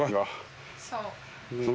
そう。